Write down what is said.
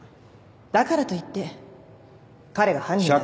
だからといって彼が犯人だとは。